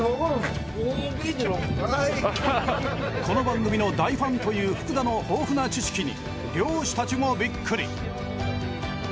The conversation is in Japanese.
この番組の大ファンという福田の豊富な知識に漁師たちもビックリ。